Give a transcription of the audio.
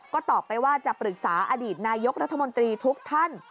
ก็ตอบไปว่าจะปรึกษาอดีตนายกรัฐมนตรีทุกท่าน